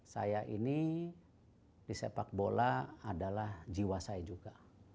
saya ini di sepak bola adalah jiwa saya juga